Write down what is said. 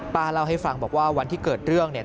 เล่าให้ฟังบอกว่าวันที่เกิดเรื่องเนี่ย